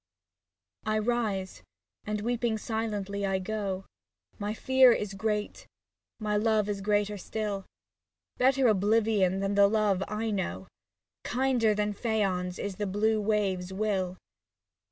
I rise, and weeping silently, I go. 74 SAPPHO TO PHAON My fear is great, my love is greater still. Better oblivion than the love I know. Kinder than Phaon's is the blue wave's will.